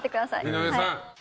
井上さん。